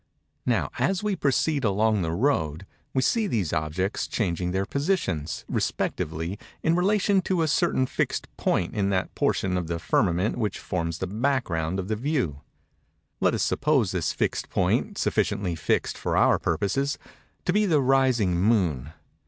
Now, as we proceed along the road, we see these objects changing their positions, respectively, in relation to a certain fixed point in that portion of the firmament which forms the background of the view. Let us suppose this fixed point—sufficiently fixed for our purpose—to be the rising moon.